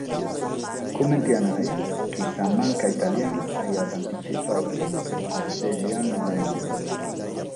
Comente a nàrrere chi sa manca italiana aiat antitzipadu totu deghe annos a immoe.